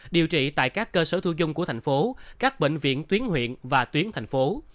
điều trị tại các cơ sở thu dung của thành phố các bệnh viện tuyến huyện và tuyến thành phố